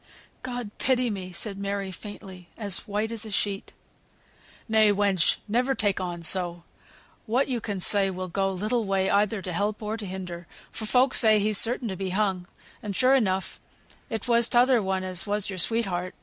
"God pity me!" said Mary, faintly, as white as a sheet. "Nay, wench, never take on so. What yo can say will go little way either to help or to hinder, for folk say he's certain to be hung; and sure enough it was t'other one as was your sweetheart."